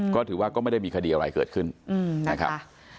ก็ถือว่าก็ไม่ได้มีคดีอะไรเกิดขึ้นนะครับ